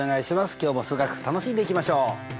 今日も数学楽しんでいきましょう！